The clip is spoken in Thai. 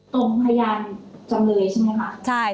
พยานจำเลยใช่ไหมคะ